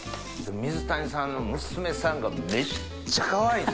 水谷さんの娘さんがめっちゃかわいいんですよ。